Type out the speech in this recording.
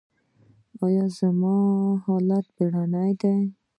ایا زما حالت بیړنی دی؟